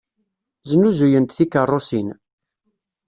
Snuzuyent tikeṛṛusin.